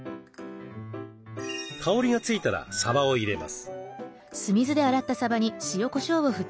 香りが付いたらさばを入れます。